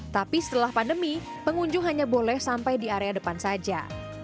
tapi setelah pandemi pengunjung hanya boleh sampai di area depan saja